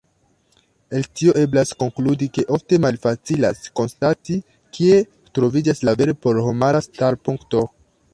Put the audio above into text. El tio eblas konkludi, ke ofte malfacilas konstati, kie troviĝas la vere porhomara starpunkto.